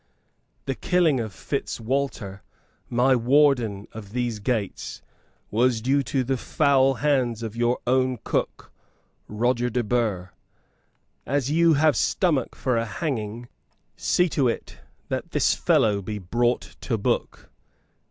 The killing of Fitzwalter, my warden of these gates, was due to the foul hands of your own cook, Roger de Burgh. As you have stomach for a hanging, see to it that this fellow be brought to book.